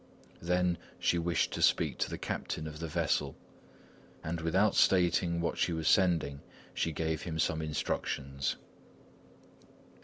Then she wished to speak to the captain of the vessel, and without stating what she was sending, she gave him some instructions.